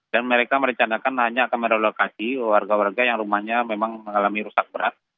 dan mereka merencanakan hanya akan merelokasi warga warga yang rumahnya memang mengalami rusak berat